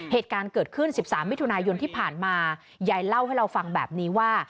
เหตุการณ์เกิดขึ้น๑๓มิถุนายนที่ผ่านมายายเล่าให้เราฟังแบบนี้ว่า